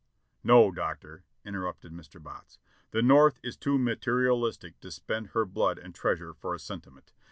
"No, Doctor," interrupted Mr. Botts, "the North is too mater ialistic to spend her blood and treasure for a sentiment.